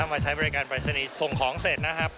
มาใช้บริการปรายศนีย์ส่งของเสร็จนะครับ